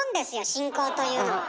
進行というのは。